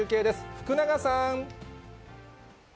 福永さん。